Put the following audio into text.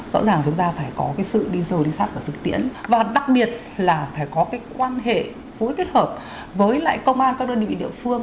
rõ ràng chúng ta phải có cái sự đi sâu đi sát vào thực tiễn và đặc biệt là phải có cái quan hệ phối kết hợp với lại công an các đơn vị địa phương